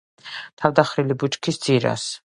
თავდახრილი ბუჩქის ძირას,